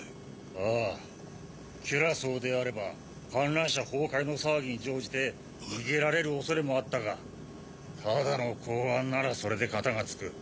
ああキュラソーであれば観覧車崩壊の騒ぎに乗じて逃げられる恐れもあったがただの公安ならそれで片が付く。